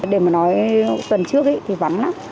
để mà nói tuần trước thì vắng lắm